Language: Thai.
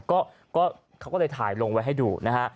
ก็เขาก็เลยถ่ายลงไว้ให้ดูนะฮะ